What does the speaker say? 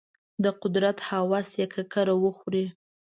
د قدرت هوس یې ککره وخوري.